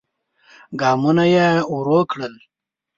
ګامونه يې ورو کړل.